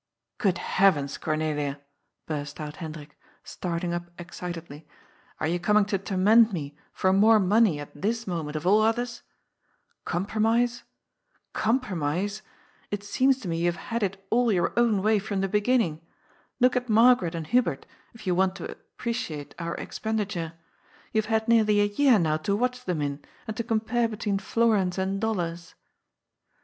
^' Good heavens, Cornelia !" burst out Hendrik, starting up excitedly, ^^are you coming to torment me for more money at this moment of all others ? Compromise ? Com promise ? It seems to me you have had it all your own way from the beginning. Look at Margaret and Hubert, if you want to appreciate our expenditure. You have had nearly a year now to watch them in, and to compare be tween florins and dollars